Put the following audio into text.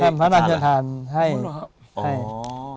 ท่านพระราชฐานให้ภรรณาภาพ